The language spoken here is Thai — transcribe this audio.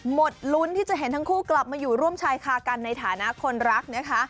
หมดลุ้นที่จะเห็นทั้งคู่กลับมาอยู่ร่วมชายคากันในฐานะคนรักนะคะ